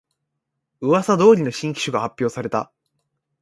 うわさ通りの新機種が発表された